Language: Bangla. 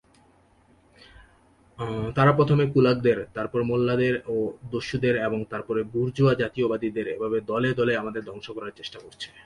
তারা প্রথমে "কুলাক"দের, তারপর "মোল্লা"দের ও "দস্যু"দের এবং তারপরে "বুর্জোয়া-জাতীয়তাবাদী"দের এভাবে দলে দলে আমাদের ধ্বংস করার চেষ্টা করছে।